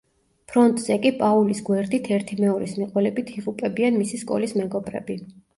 ფრონტზე კი პაულის გვერდით ერთი მეორეს მიყოლებით იღუპებიან მისი სკოლის მეგობრები.